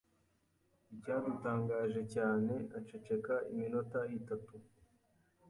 Icyadutangaje cyane, aceceka iminota itatu.